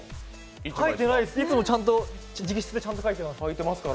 書いてないです、いつもちゃんと直筆で書いてます。